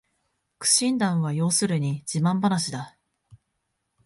苦心談は要するに自慢ばなしだ